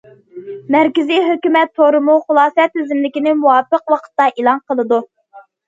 مەركىزىي ھۆكۈمەت تورىمۇ خۇلاسە تىزىملىكىنى مۇۋاپىق ۋاقىتتا ئېلان قىلىدۇ.